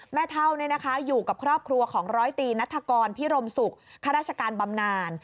แม่เท่าอยู่กับครอบครัวของร้อยตีนัฐกรพิรมศุกร์ข้าราชการบำนาน